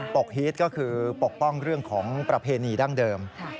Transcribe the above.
กฮีตก็คือปกป้องเรื่องของประเพณีดั้งเดิม